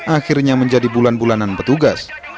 akhirnya menjadi bulan bulanan petugas